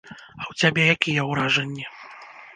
А ў цябе якія ўражанні?